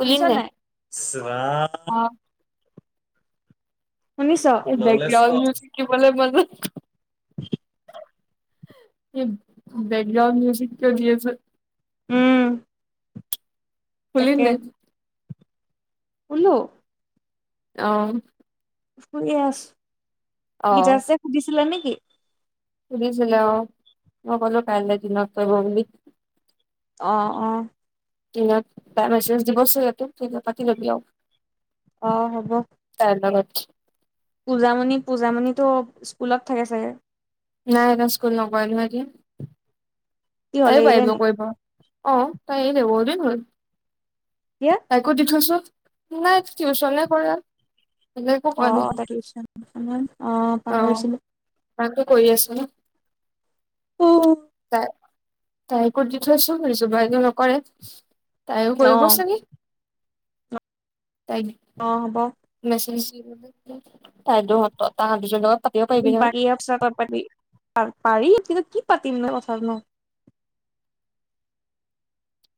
শুনিছ নাই? [unintelligible] অ', শুনিছ? এ, লংলেছ বেকগ্ৰাউণ্ড কল। মউজিক শিকিবলে গলোঁ। [unintelligible] এই, বেকগ্ৰাউণ্ড মিউজিকটো দি আছোন? উম! খুলি পিনে? খুলোঁ? অ'! শুইে আছোঁ। গীতাশ্ৰীয়ে সুধিছিলে নেকি? সুধিছিলে অ'! মই ক'লো, কাইলে দিনত কৰিব বুলি। অ' অ'! দিনত তাই মেছেজ দিবচোন [unintelligible] তেতিয়া, পাতি ল'বি আৰু। অ'! হ'ব। তাইৰ লগত। পূজামণি, পূজামণিতো স্কুলত থাকে ছাগে? নাই, এতিয়া স্কুল নকৰে নহয়, এতিয়া। কি হ'ল তাইও এৰিলে পাৰিব নি কৰিব। অ'! তাই এৰিলে বহুত দিন হ'ল। কিয়? তাইকো দি থৈছোঁ, নাই টিউচনে কৰা। বেলেগ একো নাই। অ'! তাই টিউচন, অ'! পাহৰিছিলোঁ। তাতো কৰি আছিলোঁ। [unintelligible] তাইকো দি থৈছোঁ, ৰিজো বায়েকেও নকৰে। তাইও কৰিব অ' চাগে। [unintelligible] অ'! হ'ব। [unintelligible] তাহাত দুজনীৰ লগত। পাতিব পাৰিবি [unintelligible] নহয় পাৰি, কিন্তু কি পাতিম নো, কথানো!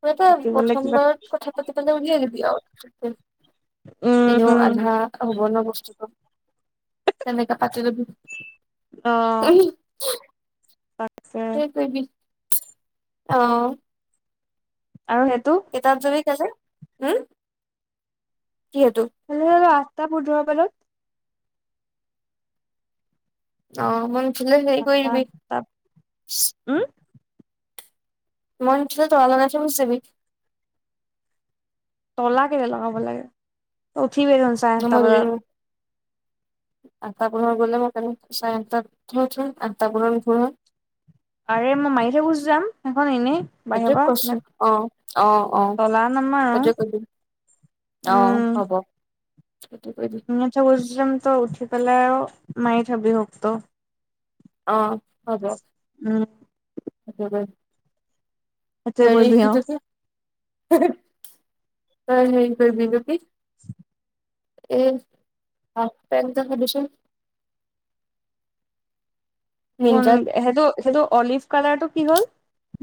কিবা এটা পাতিবলে প্ৰথম কিবা বাৰত, কথা পাতিবলৈ ওলাই ল'বি আৰু। এনেও উম আধা হ'ব ন' বস্তুটো। তেনেকে পাতি ল'বি। অ' এই, তাকে সেই কৰিবি। অ'! আৰু সেইটো? [unintelligible] উম, কি সেইটো? [unintelligible] আঠটা পোন্ধৰ মানত। অ'! মই সাতটা-আঠটাত। উম! [unintelligible] তলা কেলে লগাব লাগে? তই উঠিবিয়ে দেখোঁন। [unintelligible] আঠতা পোন্ধৰ গ'লে মই, [unintelligible] চাৰে আঠটা উঠি [unintelligible] আৰে, মই [unintelligible] গুচি যাম, সেইখন এনেই। সেইটো বাহিৰৰ কৈছো পৰা অ অ অ তলা নামাৰো সেইটোৱে কৰিবি অ উম হ'ব সেইটোৱে কৰিবি [unintelligible] উঠি পেলাই মাৰি থবি হোপটো অ হ'ব। উম একেবাৰে সেইটোৱে হেৰি কৰিবি আৰু এখিতে হেহ তই হেৰি কৰিবি উম এইটো কি এ [unintelligible] সুধিছো কোন মিন্ত্ৰাত সেইটো সেইটো অলিভ কালাৰটো কি হ'ল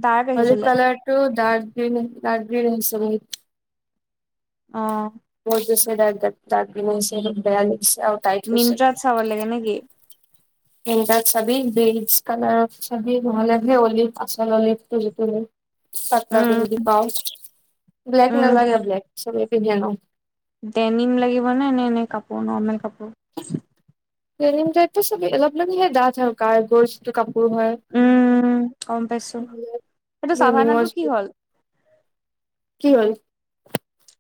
ডাৰ্ক অলিভ আহিছিলে কালাৰটো ডাৰ্ক গ্ৰীণ ডাৰ্ক গ্ৰীণ হৈছে অ [unintelligible] মিণ্ট্ৰাত চাব লাগে নেকি মিণ্ট্ৰাত চাবি গ্ৰিণচ কালাৰৰ চাবি নহ'লে হে অলিভ আচল অলিভটো। চাতটা উম যদি পাও ব্লেক উম নালাগে ব্লেক চবে পিন্ধে ন ডেনিম লাগিব নে এনে কাপোৰ নৰ্মেল কাপোৰ ডেনিম টাইপ চবেই লগাই পেলাই ডাৰ্ক কাৰ্গচ যিটো কাপোৰ হয় উম গম পাইছো উম সেইটো ডেনিমৰ চাভানাটো কি যিটো হ'ল কি হ'ল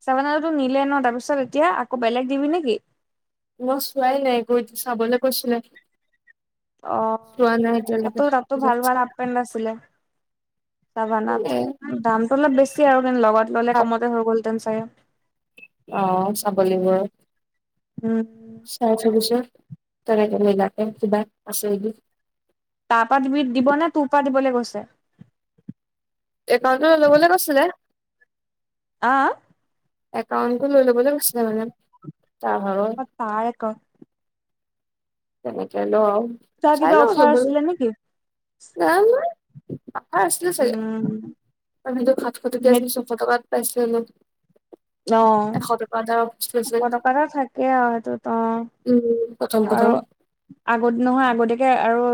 চাভানাটো নিলে ন তাৰপিছত এতিয়া আকৌ বেলেগ দিবি নেকি মই চোৱাই নাই গৈ চাবলৈ কৈছিলে অ চোৱা নাই এতিয়ালৈকে তাতো তাতো পিছত ভাল ভাল চাম হাফ পেণ্ট আছিলে। চাভানাত এ দামটো অলপ বেছি আৰু কিন্তু লগত ললে তাত কমতে হৈ গ'ল হেতেন চাগে অ চাব লাগিব ৰ উম চাৰে চৌবিচৰ তাৰে নীলাকে কিবা আছে নেকি তাৰ পৰা দি দিব নে তোৰ পৰা দিবলে কৈছে একাউণ্টতো লৈ ল'বলে কৈছিলে আ একাউণ্টটো লৈ ল'বলে কৈছিলে মানে তাৰ ভাগৰ তাৰ একাউণ্ট যেনেকে হলেও আও তাৰ চাই কিবা লও অফাৰ লেবেল আছিলে নেকি নাই আনা আমাৰ আছিলে চাগে উম তাৰ পিছত সাতশ টকীয়া ছয়শ টকাত পাইছিলে হেনো অ এশ লৈছিল টকা এটা থাকে আও সেইটোত অ উম প্ৰথম আৰু প্ৰথম আগত নহয় আগতিয়াকে আৰু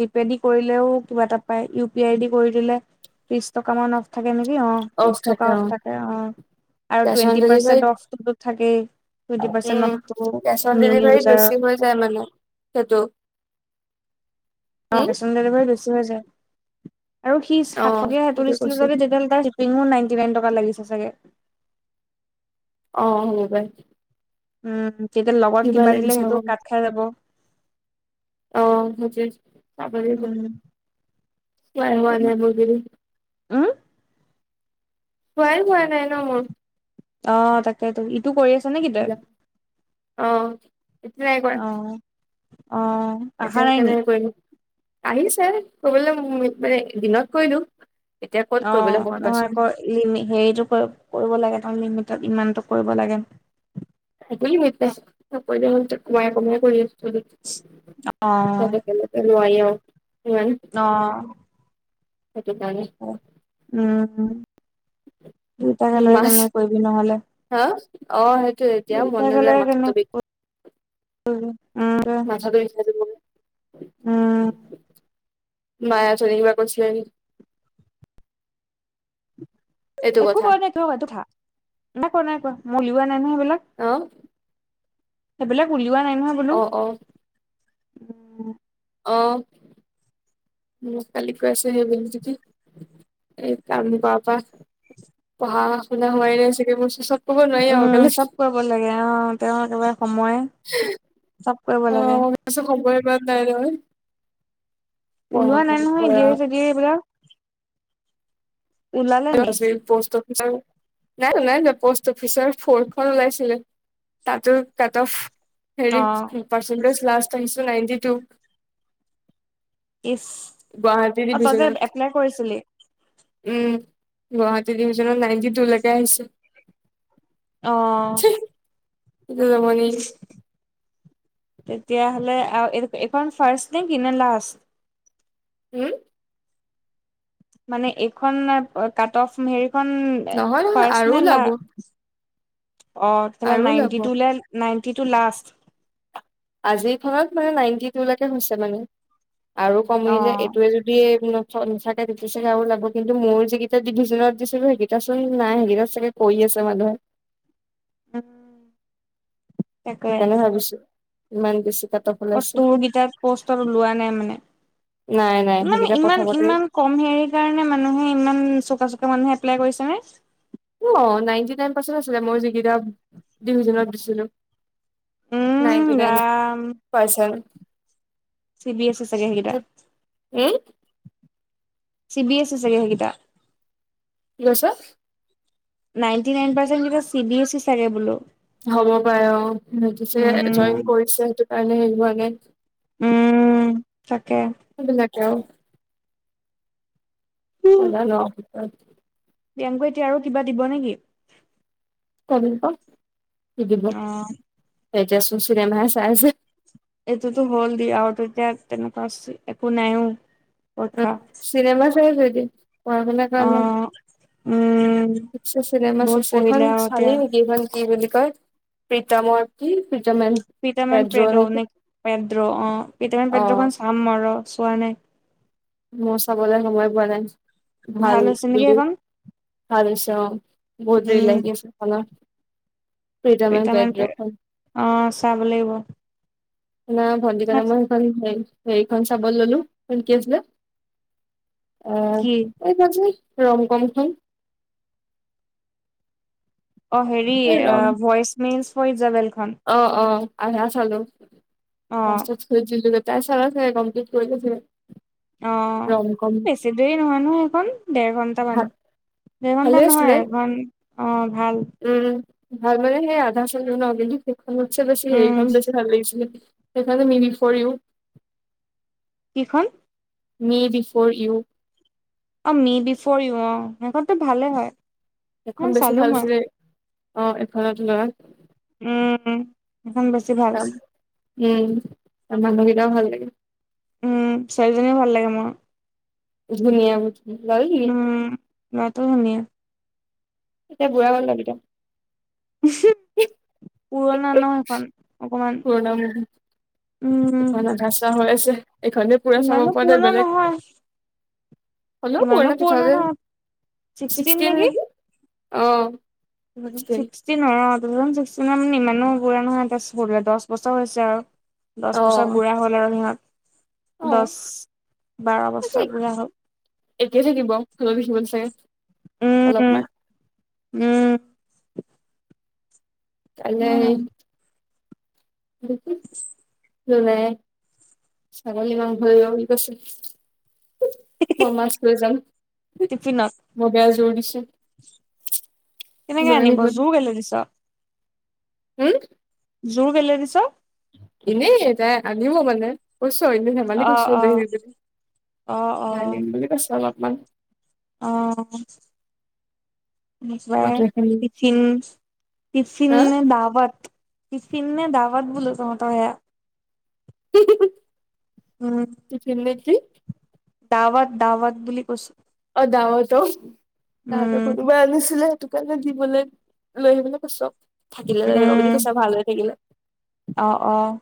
জিপে দি কৰিলেও কিবা এটা পায়। বি আই ডি কৰি দিলে ত্ৰিশ টকা মান অফ থাকে নেকি অ অফ ত্ৰিশ টকা অ অফ থাকে অ। আৰু cash on twenty percent delivery অফটোতো থাকেই টুৱেণ্টি পাৰ্চেণ্ট উম অফটো cash on new delivery user বেছি হৈ যায় মানে সেইটো অ উম কেচ অন ডেলিভাৰী বেছি হৈ যায় আৰু সি অ সাত টকীয়া সেইটো কৈছো দিছিলো তেতিয়াহলে তাৰ চিপিঙো নাইনটি নাইন টকা লাগিছে চাগে অ সেনেকুৱাই উম তেতিয়া লগত কিবা দিলে লাগিছে সেইটো আকৌ কাট খাই যাব অ সেইটোৱে চাব লাগিব উম ক্লাই হোৱা‌ তেনে নাই মুৰৰ্গিটো উম ৱাই হোৱা নাই ন মোৰ। অ তাকেতো ইটো কৰি আছ নেকি তই অ ইটো নাই কৰা অ অ আহা এতিয়া নাই নি কেনে কৰিলো, আহিছে কবলৈ মানে দিনত কৰিলো এতিয়া ক'ত অ কৰিবলৈ সময় নহয় আকৌ পাচো লিমি হেৰিতটো কৰিব কৰিব লাগে ন, লিমিটত ইমানটো কৰিব লাগে [unintelligible] নোৱাৰি অ আউ উম অ সেইটো কাৰণে উম দুতাকে উম, লৈ মাছ কেনেকে কৰিবি নহ'লে হা অ সেইটো এতিয়া দুইটা মন নাযায় [unintelligible] উ মাথাটো বিষাইছে মোৰ উম মায়ে অথনি কিবা কৈছিলে নেকি? এইটো একো কথা কৰা নাই একো কো খা, নাই কোৱা নাই কোৱা মই উলিওৱা নাই নহ সেইবিলাক। আহ সেইবিলাক উলওৱা নাই নহয় বোলো অঁ অঁ অ মোক কালি কৈ আছে [unintelligible] এই কাম কৰ পৰা পঢ়া শুনা হোৱাই নাই চাগে মোৰ চেচত ক'ব নোৱাৰি আও লাগ অ তেওঁ একেবাৰে সময় চব কৰিব লাগে [unintelligible] ওলোৱা নাই পঢ়া নহয় কৰা এদিয়াৰি-চেদিয়াৰি এইবিলাক ওলালে নি [unintelligible] নাই ওলোৱা নাই ওলোৱা প'ষ্ট অফিচৰ ফৰখন ওলাইছিলে তাতেও কাতঅফ হেৰি অ পাৰ্চেন্টেজ লাষ্ট আহিছো নাইনটি টু ইচ! গুৱাহাটী অ তই যে ডিভিজনত এপ্লাই কৰিছিলি উম গুৱাহাটী ডিভিজনত নাইনটি টু লকে আহিছে। আহ কি যে জমনি তেতিয়াহ'লে আও এ-এখন ফাৰ্ষ্ট নে কি? নে লাষ্ট? হুম? মানে এইখন কাট অফ হেৰিখন নহয় নহয় আৰু ফাৰ্ষ্ট নে ওলাব লাষ্ট? অ আৰু ওলাব ninety two ninety two last আজিৰ খনত মানে নাইনটি টু লৈকে হৈছে মানে। আৰু অ কমিলে এইটোৱে যদি [unintelligible] আৰু লাগব, কিন্তু মোৰ যিকেইটা ডিভিজনত দিছিলো সেইকেইটাচোন নাই সেইকেইটা চাগে কৰি আছে মানুহে উম সেইকাৰণে ভাবিছো, ইমান বেছি কাত অ তোৰ গেইটাত পষ্টত ওলোৱা নাই মানে, নাই নাই সেইকেইটা প্ৰথমতে ইমান-ইমান-ইমান কম হেৰিৰ কাৰণে মানুহে ইমান চোকা-চোকা মানুহে এপ্লাই কৰিছে নে? অ নাইনটি নাইন পাৰ্চট আছিলে মই যেইটা ডিভিজনত দিছিলো। উম ninety nine Ram [unintelligible] C B এ ছি চাগে সেইগেইটা। হুউম। চি বিএছ ই চাগে সেইগেইটা। কি কৈছ? নাইটি নাইন পাৰ্চেন গিতা চি বিএছ ই চাগে বোলো। হ'ব পাৰে অঁ' পিছে উম জইন কৰিছে সেইটো কাৰণে হেৰি হোৱা নাই। উম' তাকে। সেবিলাকে আও। নাযানো আও। অঁ। পিয়াংকুৱে এতিয়া আৰু কিবা দিব নেকি? কবি ক কি দিব অ এতিয়া চুন চিনেমাহে চাই আছে। এইটোতো হ'ল দিয়া এটো এতিয়া তেনেকা একো নাইও কথা। চিনেমা চাইছো এতিয়া। পঢ়া শুনাৰ কাৰণে উম চিনেমা বহুত চাইছে পঢ়িলে এইখন আৰু এতিয়া চালি নেকি এইখন। কি বুলি কয় প্ৰীতমৰ কি প্ৰীতমেন- পিটমেন পেডৌ নে পেড্ৰৌ অঁ' পিটমেন অ পেড্ৰৌ খন চাম ময় ৰ আৰু চোৱা নাই। মউ চাবলে সময় পোৱা নাই। ভাল হৈছে নেকি বুলি সেইখন ভাল হৈছে অঁ' বহুত জৰ উম লাগি আছে। হল। পিটামেন পেৰ অঁ' চাব লাগিব। সেইদিনা ভন্টি কাৰনে ময় সেইখন হেৰি খন চাবলে ললো সেইখন কি আছিলে? অ কি এই টানচোন ৰম কম খন। অ হেৰি এই অ ভইচ মেইলছ ফৰ ইছ জাভেলখন। অঁ অঁ আধা চালো। অ তাই চালে চাগে, কমপ্লেট কৰিলে চাগে। অঁ ৰম কম বেছি দেৰি নহয় নহয় সেইখন। দেৰ ভাল ঘণ্টামান দেৰ ভালে ঘণ্টা আছিলে নহয় এঘন অঁ ভাল। উম' ভাল মানে সেই আধা চালো কিন্তু সেইখনতছে বেছি উম হেৰিখন বেছি ভাল লাগিছিলে। সেইফালে মিৰিফ কৰিও। কিখন? মি বি ফ'ৰ ইউ। অ মি বিফৰ ইউ অঁ সেইখনতো ভালে হয়। সেইখন বেছি চালো ভাল মই আছিলে অঁ এইখনৰ তুলনাত। উম' এইখন বেছি- ভাল তাম উম' তা মানুহগিটাও ভাল লাগিল। উম' ছোৱালীজনীও ভাল লাগে মোৰ। ধুনীয়া ছোৱালি। লৱাটো ধুনীয়া। এতিয়া বুঢ়া হল লৰা গিতা। পুৰণা ন সেইখন। অকমান। পুৰণা মভি। উম, এখন গাচা হৈ আছে এইখনে পুৰা চাব ইমানো পৰা নাই পুৰণা বেলেগ- নহয়, হলো ইমানো পুৰণা টু থাউজেন নহয়। ছিক্সটিন নেকি। অঁ। ছিক্সটিনৰ অ' টু থাউজেন ছিক্সটিনৰ মানে ইমানো বুঢ়া নহয়, [unintelligible] দহ বছৰ হৈছে আৰু। দহ অ বছৰ বুঢ়া হ'ল আৰু সিহঁত, অ দহ বাৰ বছৰ বুঢ়া হ'ল। একে থাকিব [unintelligible] চাগে উম, অলপমান। উম। কাইলে সেয়া সেই- একো নাই ছাগলী মাংস ভাল [unintelligible] কৈছে। মই মাছ লৈ যাম, টিফিনত মই বেয়া জোৰ দিছো। কেনেকে লৈ আনিব আহিব জোৰ কেলে দিছ। হুম। জোৰ কেলে দিছ? এনেই তাই আনিব মানে। কৈছোঁ আৰু এনেই অ', ধেমালি কৈছোঁ অ', [unintelligible] আনিম অ', বুলি কৈছে অলপমান। অঁ। মাত্ৰ [unintelligible] খালি ই ফিন হা নে [unintelligible] তহঁতৰ ইয়াত। উম। [unintelligible] নে কি? দাৱাত, দাৱাত বুলি কৈছো। অঁ, দাৱাত অঁ, তাহাতৰে উম কোনোবা আনিছিলে। সেইটো কাৰণে দিবলৈ, লৈ আহিবলৈ কৈছো থাকিলে লৈ আহিব বুলি কৈছো ভাল হৈ থাকিলে। অহ-অহ'।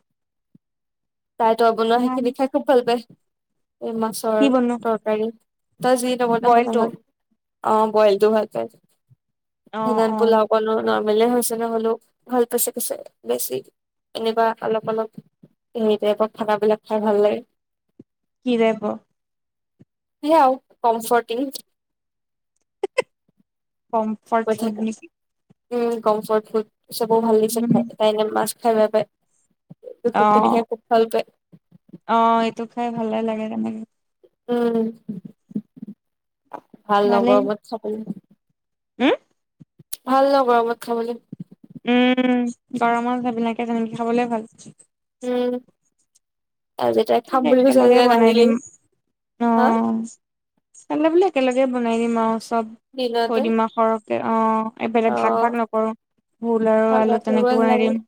তাই তই বনোৱা সেইখিনি খাই খুব ভাল পায় এই মাছ কি বনো তৰকাৰী তই যি বইলটো নৱনাও [unintelligible] অঁ বইলটো ভাল পায়, অ লগত অ পোলাও। কলো নৰ্মেলে হৈছে নহ'লেও ভাল পাইছে কৈছে, বেছি এনেকোৱা অলপ-অলপ সেই টাইপত থকাবিলাক খাই ভাল লাগে। কি টাইপৰ? [unintelligible] কমফৰ্টিং। কম্ফত কৈ থাকে ফ্ৰুত [unintelligible] উম, কম্ফৰ্ত ফোৰ্ট চবৰে ভাল লাগছে উম খায়, তাই এনেই মাছ খাই বেয়া পায়। খিনি খাই খুব ভাল পায়। অঁ, এইটো খাই ভালে লাগে তেনেকে। উম, ভাল লগৰবোৰত [unintelligible] হুম? ভাল লগৰবোৰৰ লগত খাব লাগিব। উম, বাৰ মাছ [unintelligible] তেনেকে খাবলে ভাল। উম আৰু যেতিয়া খাম বুলি কৈছিলো একেলগে যে বনাই নাহিলি, দিম হা। চালেন-বালে একেলগে বনাই দিম আৰু চ'ব, দিনতে থৈ দিম সৰ কে অঁ, এ অ বেলেগ ভাগ-ভাগ নকৰো, ভোল আৰু খাবা আলু কৰিব তেনেকে বনাই নালাগে দিম।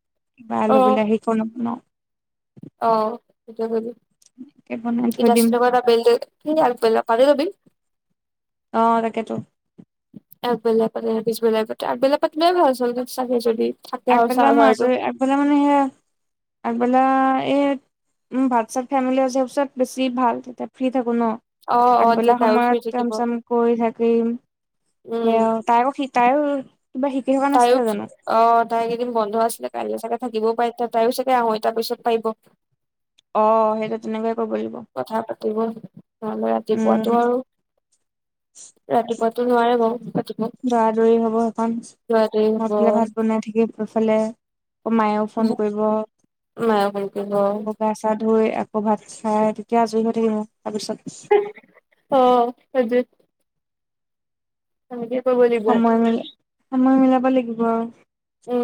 আলু বিলাহী আকো নবনাও। অঁ, বনাই সেইটোৱেই থৈ দিম কৰিবি, [unintelligible] অঁ, তাকেইতো। আগবেলা পাতে পিছবেলা পাতে, আগবেলা পাতিলে ভাল আছলতে ইচ্ছা কৰে যদি, আগবেলা মই [unintelligible] আজৰি আগবেলা মানে সেয়া, আগবেলা এই উম, ভাত-চাত খাই মেলি [unintelligible] বেছি ভাল, তেতিয়া ফ্ৰী থাকোঁ ন'। অ', অ', যে আগবেলা তাইও ফ্ৰী সময়ত কাম থাকিব চাম কৰি থাকিম উম সেয়া তাই আকৌ শ তাইও কিবা শিকি থকা তাইও নাছিলে জানো। অ তাই কেইদিন বন্ধ আছিলে কাইলৈ চাগে থাকিবও পাৰে তিয়া তাই চাগে আ আহোঁ এ তাৰ পিছত পাৰিব। অ সেইটো তেনেকুৱাই কব লাগিব। কথা পাতিব নহ উম ৰাতিপুৱাটো আৰু ৰাতিপুৱাতো নোৱাৰে বাৰু দৌৰা দৌৰি হব সেইকণ যোৱাটোৱে মই হ'ব ইফেলে ভাত বনাই থাকি সোৰফালে আকৌ মায়েও ফোন কৰিব মায়ে ফোন কৰিব বগা চা ধুই ক'ভাত চাই তেতিয়া আজৰি হৈ থাকিব তাৰপিছত অ [unintelligible] সময় মিল সময় মিলাব লাগিব আৰু উম